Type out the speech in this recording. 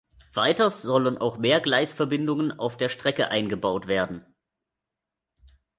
Weiters sollen auch mehr Gleisverbindungen auf der Strecke eingebaut werden.